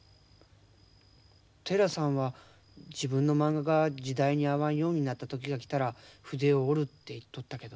寺さんは自分のまんがが時代に合わんようになった時が来たら筆を折るって言っとったけど。